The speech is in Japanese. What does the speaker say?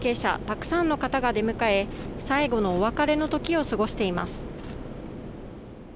たくさんの方が出迎え最後のお別れの時を過ごしています。